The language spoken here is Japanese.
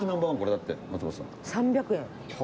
３００円。